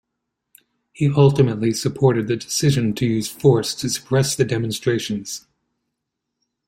He ultimately supported the decision to use force to suppress the demonstrations.